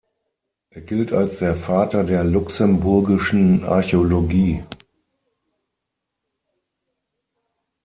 Er gilt als der „Vater der luxemburgischen Archäologie“.